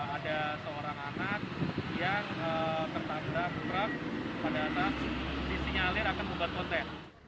ada seorang anak yang tertangkap pada atas di sinyalir akan membuat konten